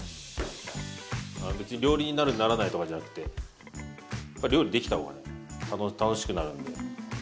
別に料理人になるならないとかじゃなくて料理できた方が楽しくなるんで。